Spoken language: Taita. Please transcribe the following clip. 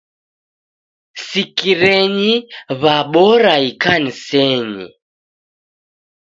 Sikirenyi w'abora ikanisenyi.